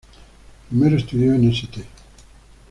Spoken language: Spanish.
Primero estudió en St.